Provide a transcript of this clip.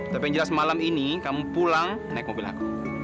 tapi yang jelas malam ini kamu pulang naik mobil aku